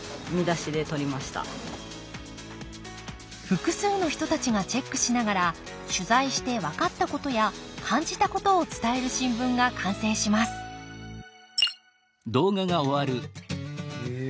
複数の人たちがチェックしながら取材して分かったことや感じたことを伝える新聞が完成しますへえ